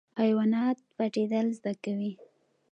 حیوانات پټیدل زده کوي